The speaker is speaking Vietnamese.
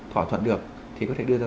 thỏa thuận được thì có thể đưa ra